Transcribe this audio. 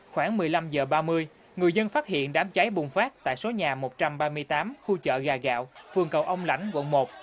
khoảng một mươi năm h ba mươi người dân phát hiện đám cháy bùng phát tại số nhà một trăm ba mươi tám khu chợ gà gạo phường cầu ông lãnh quận một